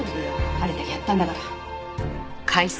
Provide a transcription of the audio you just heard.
あれだけやったんだから。